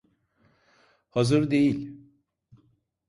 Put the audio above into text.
Hazır değil.